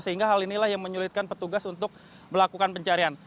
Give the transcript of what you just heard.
sehingga hal inilah yang menyulitkan petugas untuk melakukan pencarian